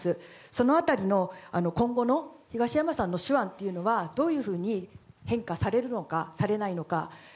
その辺りの今後の東山さんの手腕というのはどういうふうに変化されるのかされないのか。